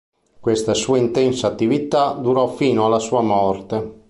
Questa sua intensa attività durò fino alla sua morte.